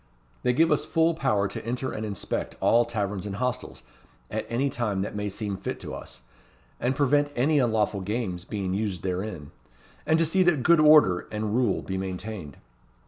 They give us full power to enter and inspect all taverns and hostels, at any time that may seem fit to us; to prevent any unlawful games being used therein; and to see that good order and rule be maintained.